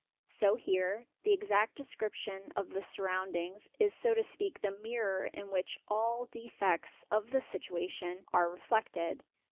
So here; the exact description of the surround ings is so to speak the mirror in which all "defects of the situation" are reflected.